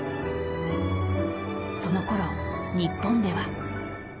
［そのころ日本では］